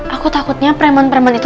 aku takutnya preman preman itu